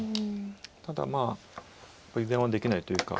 ただ油断はできないというか。